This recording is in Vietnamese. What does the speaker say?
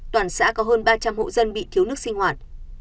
toàn xã có hơn ba trăm linh hộ dân bị thiếu nước sinh hoạt